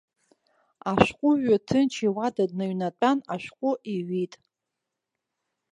Ашәҟәыҩҩы ҭынч иуада дныҩнатәан ашәҟәы иҩит.